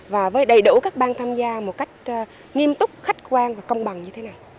và với đầy đủ các bang tham gia một cách nghiêm túc khách quan và công bằng như thế này